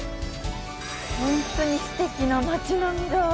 本当にすてきな街並みだ。